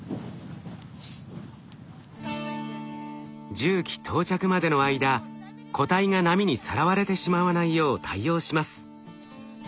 重機到着までの間個体が波にさらわれてしまわないよう対応します。